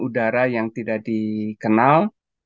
udara yang tidak dikenal